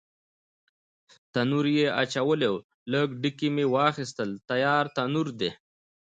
تنور یې اچولی و، لږ ډکي مې واخیستل، تیار تنور دی.